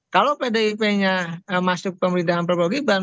kalau pdip nya masuk pemerintahan perpogiban